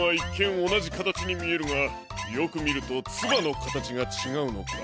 おなじかたちにみえるがよくみるとつばのかたちがちがうのか。